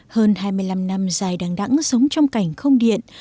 hơn hai mươi năm năm dài đáng đắng sống trong cảnh không điện